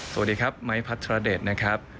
สวัสดีครับไม้พัทรเดชนะครับ